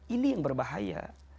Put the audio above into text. ini yang berbahaya